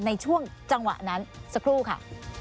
ในช่วงจังหวะนั้นสักครู่ค่ะ